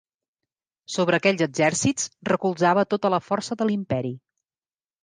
Sobre aquells exèrcits recolzava tota la força de l'imperi.